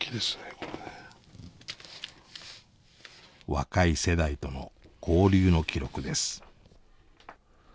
若い世代との交流の記録です。